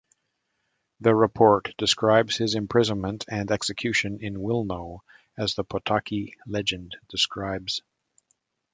The report describes his imprisonment and execution in Wilno as the Potocki legend describes.